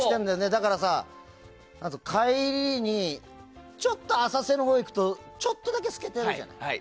だからさ、帰りにちょっと浅瀬のほう行くとちょっとだけ透けてるじゃん。